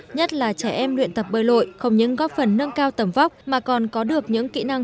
nhất là trẻ em luyện tập bơi lội không những góp phần nâng cao tầm vóc mà còn có được những kỹ năng